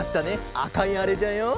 あかいあれじゃよ。